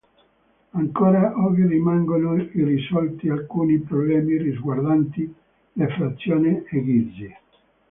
Ancora oggi rimangono irrisolti alcuni problemi riguardanti le frazioni egizie.